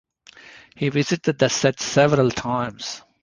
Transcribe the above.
He visited the set several times.